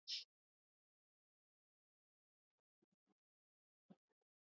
Morrió d'un bálamu.